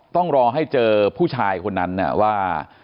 ต้องรอให้เจอผู้ชายคนนั้นว่า